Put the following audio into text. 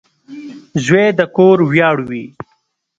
• زوی د کور ویاړ وي.